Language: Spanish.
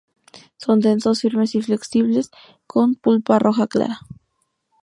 Son densos, firmes y flexibles con pulpa roja clara.